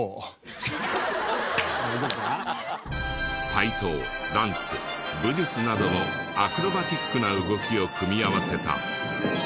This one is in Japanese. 体操ダンス武術などのアクロバティックな動きを組み合わせた。